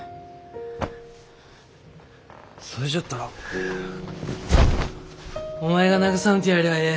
それじゃったらお前が慰めてやりゃあええ。